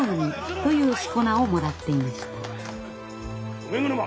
梅車。